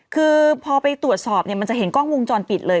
คือพอไปตรวจสอบเนี่ยมันจะเห็นกล้องวงจรปิดเลย